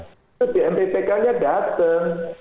itu di mppk nya datang